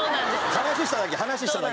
話しただけです。